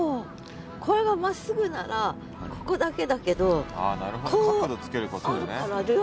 これがまっすぐならここだけだけど角度つけることでね。